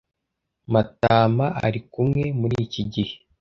Matama arikumwe muriki gihe.